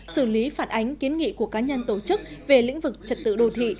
xử lý phản ánh kiến nghị của cá nhân tổ chức về lĩnh vực trật tự đô thị